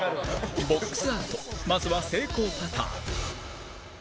ボックスアウトまずは、成功パターン